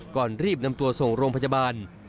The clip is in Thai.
ก่อนรีบนำตัวส่งโรงพยาบาล